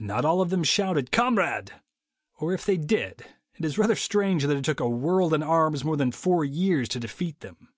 Not all of them shouted "Kamerad," or if they did, it is rather strange that it took a world in arms more than four years to defeat them.